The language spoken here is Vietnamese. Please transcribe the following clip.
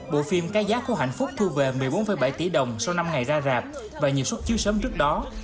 bộ phim cái giá của hạnh phúc thu về một mươi bốn bảy tỷ đồng sau năm ngày ra rạp và nhiều xuất chiếu sớm trước đó